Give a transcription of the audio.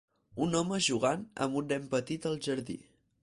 Un home jugant amb un nen petit al jardí.